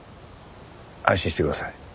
安心してください。